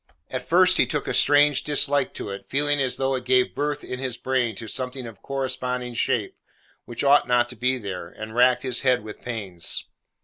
At first, he took a strange dislike to it; feeling as though it gave birth in his brain to something of corresponding shape, which ought not to be there, and racked his head with pains.